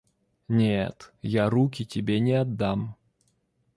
Нет, я руки тебе не отдам.